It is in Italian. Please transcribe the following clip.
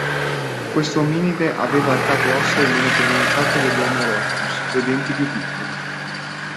Questo ominide aveva arcate ossee meno pronunciate dell'Homo Erectus e denti più piccoli.